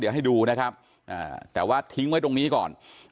เดี๋ยวให้ดูนะครับแต่ว่าทิ้งไว้ตรงนี้ก่อน